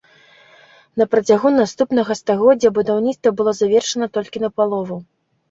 На працягу наступнага стагоддзя будаўніцтва было завершана толькі напалову.